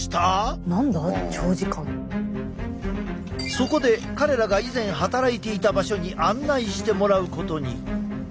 そこで彼らが以前働いていた場所に案内してもらうことに。